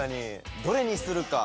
どれにするか。